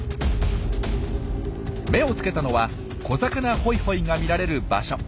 目をつけたのは「小魚ホイホイ」が見られる場所。